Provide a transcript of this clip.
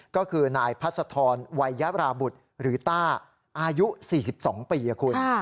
ก็คือนายพัศธรวัยยราบุตรหรือต้าอายุ๔๒ปีคุณ